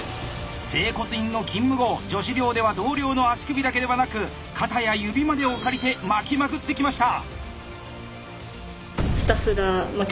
整骨院の勤務後女子寮では同僚の足首だけではなく肩や指までを借りて巻きまくってきました。